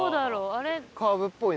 あれ。